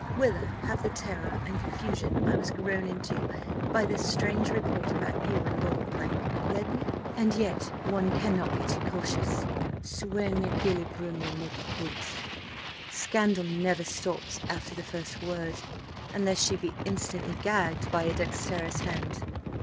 Whither have the terror and confusion I was thrown into by this strange report about you and Lord led me? And yet one cannot be too cautious 'Ce n'est que le premier mot qui coute' Scandal never stops after the first word, unless she be instantly gagged by a dexterous hand.